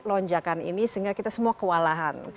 lonjakan ini sehingga kita semua kewalahan